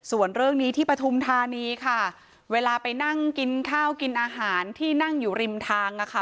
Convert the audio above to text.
ส่วนเรื่องนี้ที่ปฐุมธานีค่ะเวลาไปนั่งกินข้าวกินอาหารที่นั่งอยู่ริมทางอะค่ะ